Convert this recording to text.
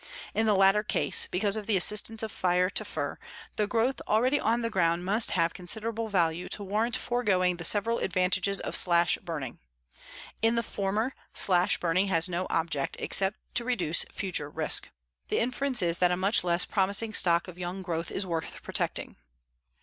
In the latter case, because of the assistance of fire to fir, the growth already on the ground must have considerable value to warrant foregoing the several advantages of slash burning. In the former, slash burning has no object except to reduce future risk. The inference is that a much less promising stock of young growth is worth protecting.